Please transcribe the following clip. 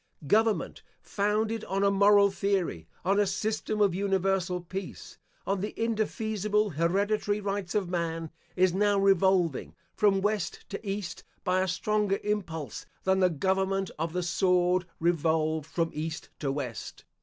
Government founded on a moral theory, on a system of universal peace, on the indefeasible hereditary Rights of Man, is now revolving from west to east by a stronger impulse than the government of the sword revolved from east to west.